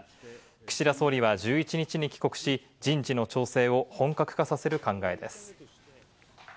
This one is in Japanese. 岸田総理は１１日に帰国し、人事の調整を本格化させる考えです。